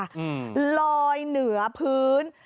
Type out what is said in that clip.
น่ะรอยเหนือพื้น